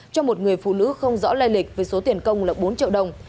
cho một người phụ nữ không rõ lai lịch với số tiền công là bốn triệu đồng